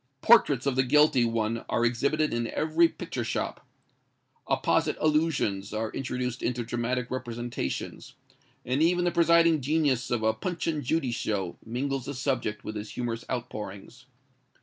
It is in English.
Portraits of the guilty one are exhibited in every picture shop. Apposite allusions are introduced into dramatic representations; and even the presiding genius of a "Punch and Judy show" mingles the subject with his humorous outpourings.